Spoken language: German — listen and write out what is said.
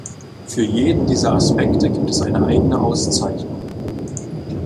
Für jeden dieser Aspekte gibt es eine eigene Auszeichnung.